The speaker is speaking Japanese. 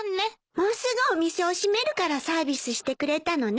もうすぐお店を閉めるからサービスしてくれたのね。